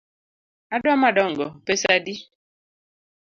Adwa madongo, pesa adi?